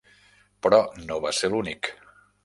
Però no va ser l'únic.